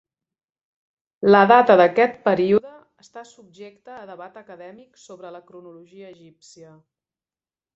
La data d'aquest període està subjecta a debat acadèmic sobre la cronologia egípcia.